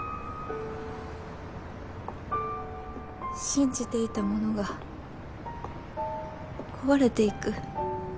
信じていたものが壊れていく